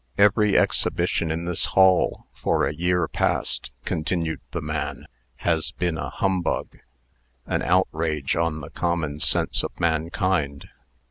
"Every exhibition in this hall, for a year past," continued the man, "has been a humbug an outrage on the common sense of mankind.